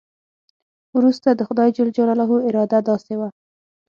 وروسته د خدای جل جلاله اراده داسې وه.